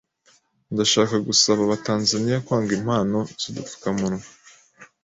Ndashaka gusaba Abatanzania kwanga impano z'udupfukamunwa,